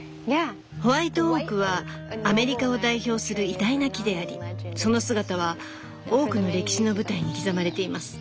ホワイトオークはアメリカを代表する偉大な木でありその姿は多くの歴史の舞台に刻まれています。